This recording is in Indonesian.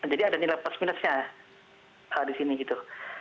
jadi ada nilai plus minusnya di sini gitu